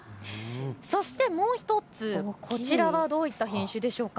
そしてもう１つ、こちらはどういった品種でしょうか。